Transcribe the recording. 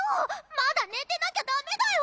まだ寝てなきゃダメだよ！